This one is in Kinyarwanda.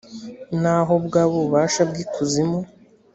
naho bwaba ububasha bw’ikuzimu